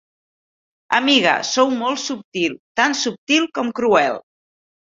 Amiga, sou molt subtil… tan subtil com cruel